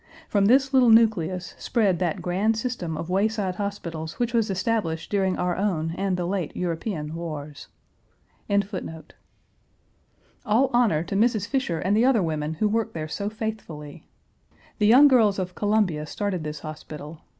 From this little nucleus, spread that grand system of wayside hospitals which was established during our own and the late European wars." Page 206 Columbia Station, where all the railroads meet. All honor to Mrs. Fisher and the other women who work there so faithfully! The young girls of Columbia started this hospital.